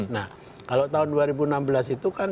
nah kalau tahun dua ribu enam belas itu kan